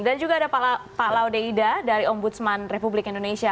dan juga ada pak laude ida dari ombudsman republik indonesia